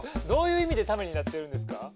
どういう意味でためになってるんですか？